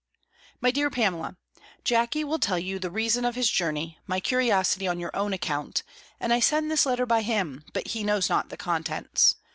"MY DEAR PAMELA, "Jackey will tell you the reason of his journey, my curiosity on your own account; and I send this letter by him, but he knows not the contents.